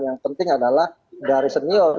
yang penting adalah dari senior